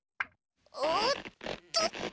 おっとっと！